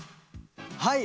はい。